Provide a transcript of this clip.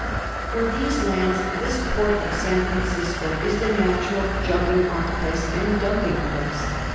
For these lands this port of San Francisco is the natural jumping off and dumping place.